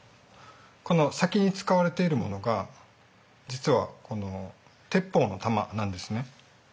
この先に使われているものが実は鉄砲の弾なんですね。